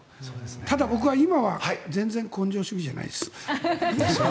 ただ、僕は今は全然、根性主義じゃないです。